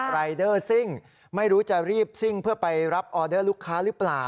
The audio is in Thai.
รายเดอร์ซิ่งไม่รู้จะรีบซิ่งเพื่อไปรับออเดอร์ลูกค้าหรือเปล่า